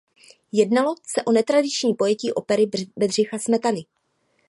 Jednalo se o netradiční pojetí opery Bedřicha Smetany.